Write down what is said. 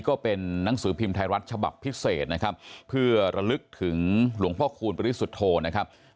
ก็เป็นหนังสือพิมพ์ไทยรัฐฉบับพิเศษนะครับเพื่อระลึกถึงหลวงพ่อคูณปริสุทธโธนะครับ